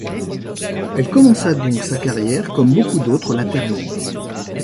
Elle commença donc sa carrière comme beaucoup d'autres la terminent!